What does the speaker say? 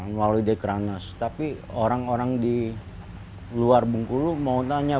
muali de kranas tapi orang orang di luar bungkulu mau tanya